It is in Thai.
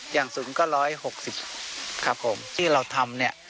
อย่างสุดก็ร้อยหกสิบครับผมที่เราทำเนี้ย